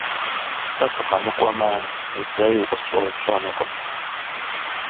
Сэ сыкъэмыкӀуэмэ, зэи укъысщӀэупщӀэнукъым.